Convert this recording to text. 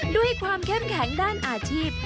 ด้วยความเข้มแข็งด้านอาชีพ